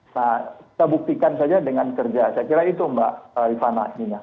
nah kita buktikan saja dengan kerja saya kira itu mbak rifana